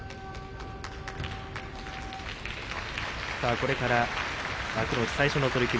これから幕内最初の取組